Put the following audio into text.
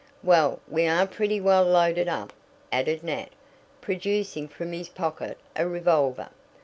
"Well, we are pretty well loaded up," added Nat, producing from his pocket a revolver.